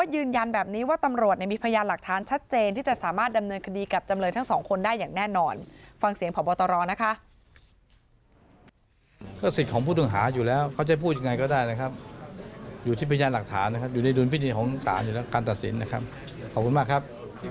อยู่ในฤวัญพิธีของการตัดสินนะครับขอบคุณมากครับ